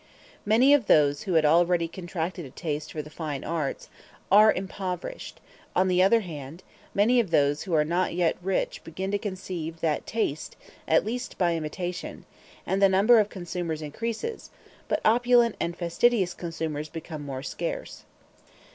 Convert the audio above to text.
Many of those who had already contracted a taste for the fine arts are impoverished: on the other hand, many of those who are not yet rich begin to conceive that taste, at least by imitation; and the number of consumers increases, but opulent and fastidious consumers become more scarce.